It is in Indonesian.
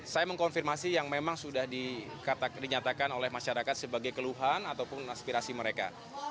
saya mengkonfirmasi yang memang sudah dinyatakan oleh masyarakat sebagai keluhan ataupun aspirasi mereka